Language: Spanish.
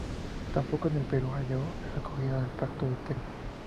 Tampoco en el Perú halló acogida el Pacto de Tacna.